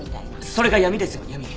それが闇ですよ闇。